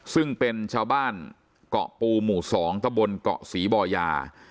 ซึ่งเป็นชาวบ้านเกาะปูหมู่๒ตะบนเกาะศรีบ่อยา